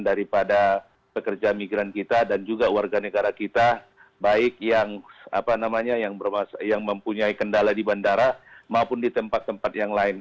daripada pekerja migran kita dan juga warga negara kita baik yang mempunyai kendala di bandara maupun di tempat tempat yang lain